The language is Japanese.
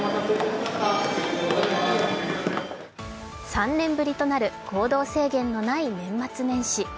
３年ぶりとなる行動制限のない年末年始。